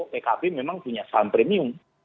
pkb memang punya saham premium